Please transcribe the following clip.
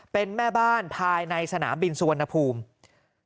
เป็นแม่บ้านภายในสนามบินสุวรรณภูมิ